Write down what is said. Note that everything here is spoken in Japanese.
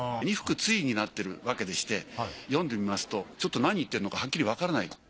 ２幅対になってるわけでして読んでみますとちょっとなに言ってるのかはっきりわからない。